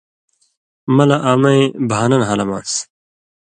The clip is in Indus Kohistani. مہ لہ امَیں بھانہ نھالم آن٘س۔